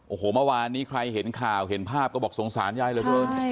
โอ้โหเมื่อวานนี้ใครเห็นข่าวเห็นภาพก็บอกสงสารยายเหลือเกิน